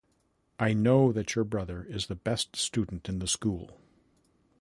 I know that your brother is the best student in the school.